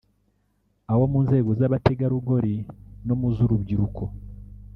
abo mu nzego z’abategarugori no mu z’urubyiruko